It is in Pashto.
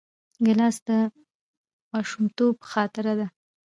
ګیلاس د ماشومتوب خاطره ده.